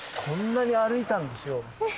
こんなに歩いたんですよ。